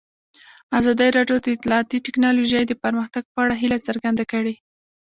ازادي راډیو د اطلاعاتی تکنالوژي د پرمختګ په اړه هیله څرګنده کړې.